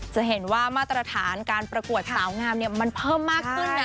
จะเห็นว่ามาตรฐานการประกวดสาวงามมันเพิ่มมากขึ้นนะ